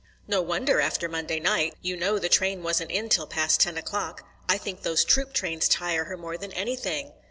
"No wonder, after Monday night. You know the train wasn't in till past ten o'clock. I think those troop trains tire her more than anything."